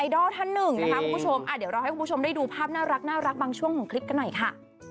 เดี๋ยวรอให้คุณผู้ชมได้ดูภาพน่ารักบางช่วงของคลิปกันหน่อยค่ะ